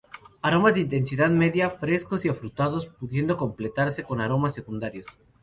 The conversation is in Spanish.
Aromas de intensidad media, frescos y afrutados, pudiendo completarse con aromas secundarios.